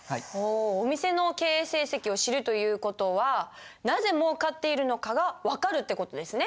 お店の経営成績を知るという事はなぜもうかっているのかが分かるって事ですね。